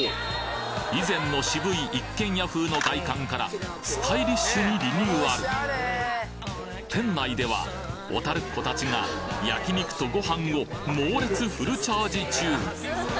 以前の渋い一軒屋風の外観からスタイリッシュにリニューアル店内では小樽っ子たちが焼き肉とご飯を猛烈フルチャージ中！